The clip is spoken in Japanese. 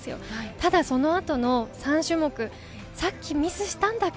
ただそのあとの３種目、さっきミスしたんだっけ？